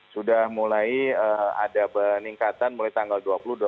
sudah mulai ada peningkatan mulai tanggal dua puluh dua puluh satu dua puluh dua